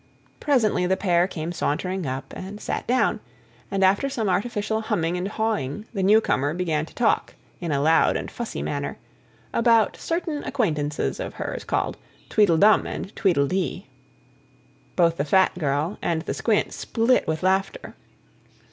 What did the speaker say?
Presently the pair came sauntering up and sat down; and after some artificial humming and hawing the newcomer began to talk, in a loud and fussy manner, about certain acquaintances of hers called Tweedledum and Tweedledee. Both the fat girl and the squint "split" with laughter.